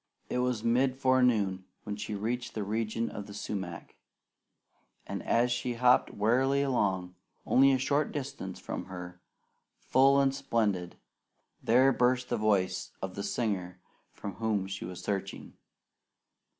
It was mid forenoon when she reached the region of the sumac, and as she hopped warily along, only a short distance from her, full and splendid, there burst the voice of the singer for whom she was searching.